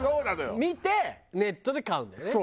見てネットで買うんだよね。